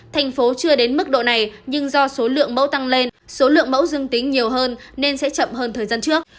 thành phố chưa đến mức độ này nhưng do số lượng mẫu tăng lên số lượng mẫu dương tính nhiều hơn nên sẽ chậm hơn thời gian trước